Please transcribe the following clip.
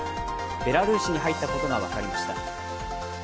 ベラルーシに入ったことが分かりました。